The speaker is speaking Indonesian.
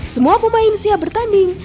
semua pemain siap bertanding